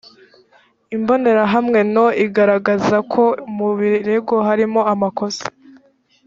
imbonerahamwe no iragaragaza ko mu birego harimo amakosa.